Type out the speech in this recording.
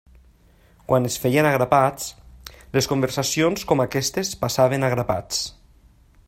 Quan es feien a grapats, les conversacions com aquestes passaven a grapats.